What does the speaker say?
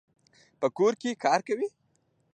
په کور کي کار کوي.